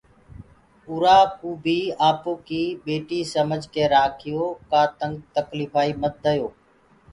اُرآ ڪوُ بي آپو ڪيِ ٻيٽي سمجه ڪي راکيو ڪآ تنگ تڪليڦائي منديو۔